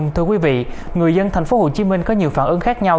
thưa quý vị người dân thành phố hồ chí minh có nhiều phản ứng khác nhau